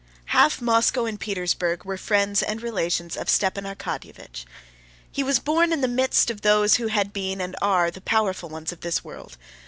Half Moscow and Petersburg were friends and relations of Stepan Arkadyevitch. He was born in the midst of those who had been and are the powerful ones of this world.